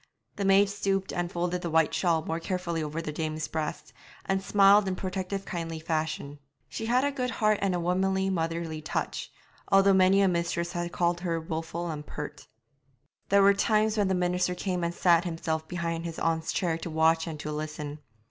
The maid stooped and folded the white shawl more carefully over the dame's breast, and smiled in protective kindly fashion. She had a good heart and a womanly, motherly touch, although many a mistress had called her wilful and pert. There were times when the minister came and sat himself behind his aunt's chair to watch and to listen.